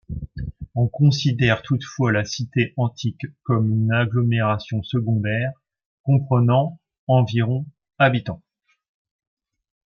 On considère toutefois la cité antique comme une agglomération secondaire, comprenant environ habitants.